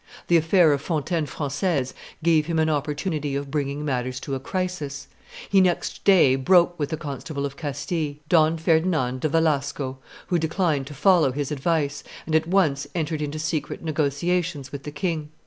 The affair of Fontaine Francaise gave him an opportunity of bringing matters to a crisis; he next day broke with the Constable of Castile, Don Ferdinand de Velasco, who declined to follow his advice, and at once entered into secret negotiations with the king.